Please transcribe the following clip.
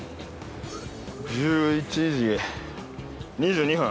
１１時２２分。